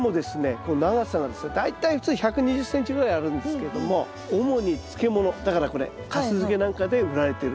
この長さがですね大体普通１２０ｃｍぐらいあるんですけれども主に漬物だからこれかす漬けなんかで売られてる。